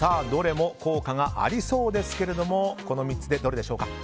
どれも効果がありそうですがこの３つでどれでしょうか。